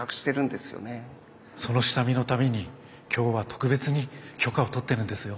その下見のために今日は特別に許可を取ってるんですよ。